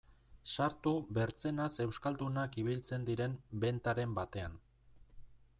Sartu bertzenaz euskaldunak ibiltzen diren bentaren batean...